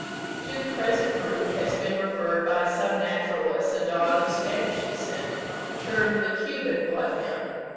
To the present group has been referred by some naturalists a dog of Spanish descent, termed the Cuban bloodhound.